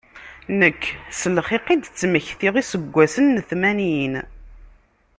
Nekk s lxiq i d-ttmektiɣ iseggasen n tmanyin.